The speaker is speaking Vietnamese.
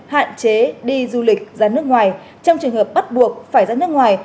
hạn chế đi du lịch ra nước ngoài trong trường hợp bắt buộc phải ra nước ngoài